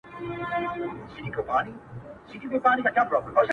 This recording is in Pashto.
o مسافرۍ كي يك تنها پرېږدې.